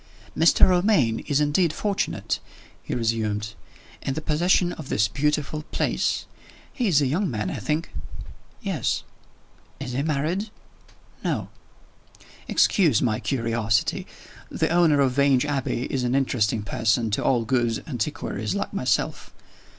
"Mr. Romayne is indeed fortunate," he resumed, "in the possession of this beautiful place. He is a young man, I think?" "Yes." "Is he married?" "No." "Excuse my curiosity. The owner of Vange Abbey is an interesting person to all good antiquaries like myself.